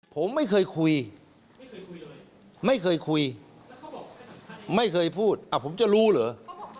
ผมไม่เคยคุยไม่เคยคุยไม่เคยพูดผมจะรู้เหรอ